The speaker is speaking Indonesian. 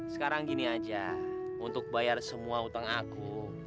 sekarang gini aja untuk bayar semua utang aku